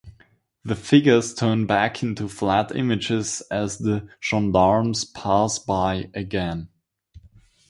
The figures turn back into flat images as the gendarmes pass by again.